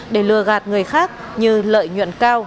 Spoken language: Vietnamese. để lừa gạt người khác như lợi nhuận cao